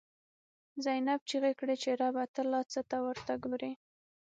«زینب» چیغی کړی چه ربه، ته لا څه ته ورته گوری